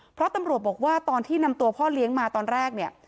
เพราะตำรวจบอกว่าตอนที่นำตัวพ่อเลี้ยงมาตอนแรกเนี่ย